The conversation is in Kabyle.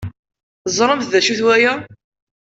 Teẓramt d acu-t waya?